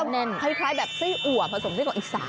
น่าจะคล้ายแบบไส้อั่วผสมไส้เกาะอีสาน